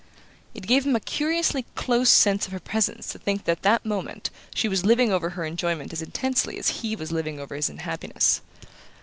It gave him a curiously close sense of her presence to think that at that moment she was living over her enjoyment as intensely as he was living over his unhappiness.